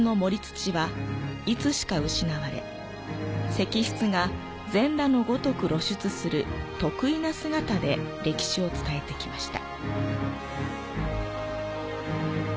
石室が全裸のごとく露出する特異な姿で歴史を伝えてきました。